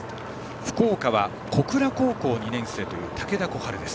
福岡は小倉高校２年生という武田胡春です。